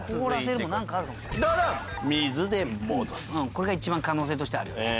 これが一番可能性としてはあるよね。